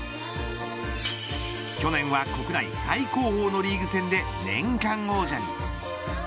去年は国内最高峰のリーグ戦で年間王者に。